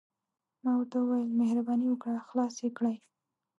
ما ورته وویل: مهرباني وکړه، خلاص يې کړئ.